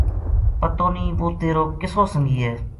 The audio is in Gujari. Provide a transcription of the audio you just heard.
پتو نیہہ وہ تیرو کِسو سنگی ہے